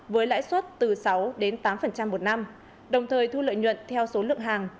với lãi suất từ sáu đến tám một năm đồng thời thu lợi nhuận theo số lượng hàng